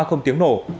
không tiếng nổ